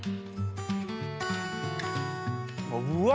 うわ！